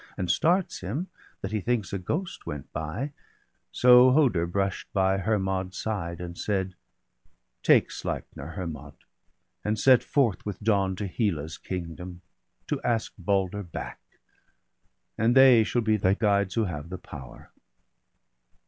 And starts him, that he thinks a ghost went by — So Hoder brush'd by Hermod's side, and said :—* Take Sleipner, Hermod, and set forth with dawn To Hela's kingdom, to ask Balder back; And they shall be thy guides, who have the power.'